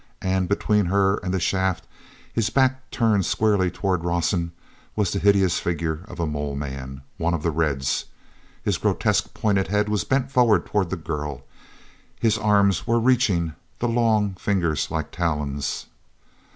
And between her and the shaft, his back turned squarely toward Rawson, was the hideous figure of a mole man, one of the Reds! His grotesque, pointed head was bent forward toward the girl; his arms were reaching, the long fingers like talons.